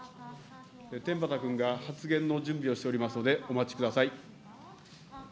天畠君が発言の準備をしておりますので、お待ちください。